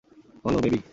বলো, বেবি।